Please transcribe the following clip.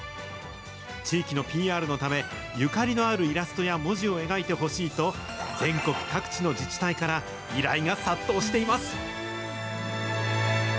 地域のＰＲのため、ゆかりのあるイラストや文字を描いてほしいと、全国各地の自治体から依頼が殺到しています。